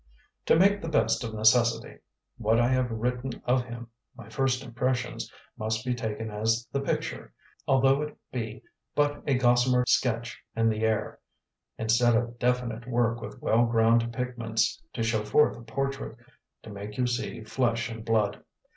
To make the best of necessity: what I have written of him my first impressions must be taken as the picture, although it be but a gossamer sketch in the air, instead of definite work with well ground pigments to show forth a portrait, to make you see flesh and blood.